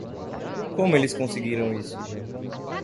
Como eles conseguiram isso?